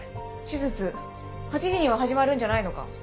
手術８時には始まるんじゃないのか？